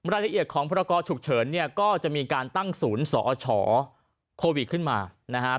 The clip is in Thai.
รายละเอียดของพรกรฉุกเฉินเนี่ยก็จะมีการตั้งศูนย์สอชโควิดขึ้นมานะครับ